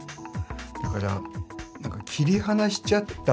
だから切り離しちゃった